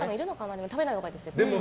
でも食べないほうがいいです。